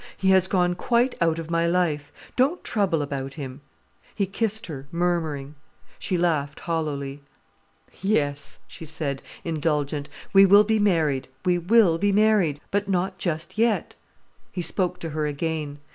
He has gone quite out of my life—don't trouble about him...." He kissed her, murmuring. She laughed hollowly. "Yes," she said, indulgent. "We will be married, we will be married. But not just yet." He spoke to her again.